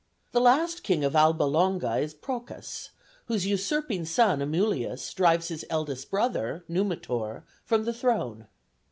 The last king of Alba Longa is Procas, whose usurping son Amulius drives his eldest brother Numitor from the throne.